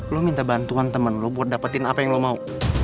lo minta bantuan teman lo buat dapetin apa yang lo mau